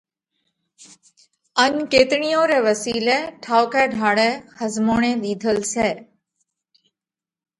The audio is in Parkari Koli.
ان ڪيتڻِيون رئہ وسِيلئہ ٺائُوڪئہ ڍاۯئہ ۿزموڻئِي ۮِيڌل سئہ۔